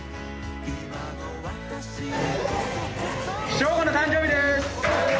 将伍の誕生日です！